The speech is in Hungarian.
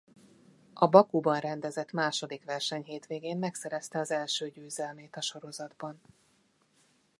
A Bakuban rendezett második versenyhétvégén megszerezte az első győzelmét a sorozatban.